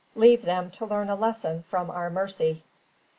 Leave them to learn a lesson from our mercy."